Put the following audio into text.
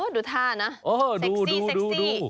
ดูท่านะเซ็กซี่